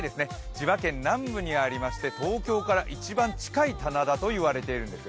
千葉県南部にありまして、東京から一番近い棚田と言われているんです。